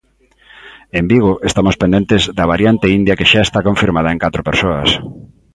En Vigo, estamos pendentes da variante india que xa está confirmada en catro persoas.